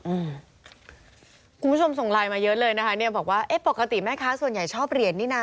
คุณผู้ชมส่งไลน์มาเยอะเลยนะคะเนี่ยบอกว่าเอ๊ะปกติแม่ค้าส่วนใหญ่ชอบเหรียญนี่น่ะ